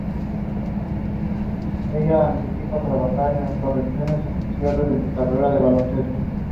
El problema del espacio en el estudio de los fenómenos de conciencia.